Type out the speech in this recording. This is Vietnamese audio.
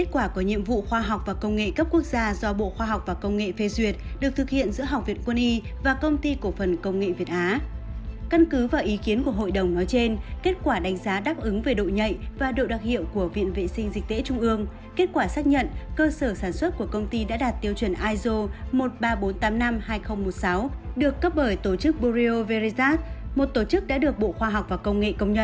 tương tự như trong sản phẩm của công ty cổ phần công nghệ việt á và công ty cổ phần sao thái dương